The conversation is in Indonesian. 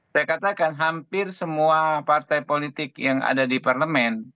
saya katakan hampir semua partai politik yang ada di parlemen